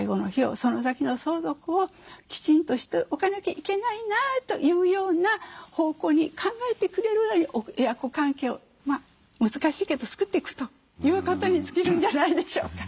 その先の相続をきちんとしておかなきゃいけないなというような方向に考えてくれるぐらいに親子関係を難しいけど作っていくということに尽きるんじゃないでしょうか。